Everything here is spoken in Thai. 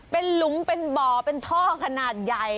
เป็นหลุมเป็นบ่อเป็นท่อขนาดใหญ่